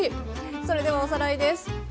それではおさらいです。